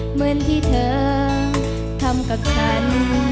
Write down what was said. เหมือนที่เธอทำกับฉัน